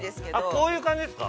こういう感じですか。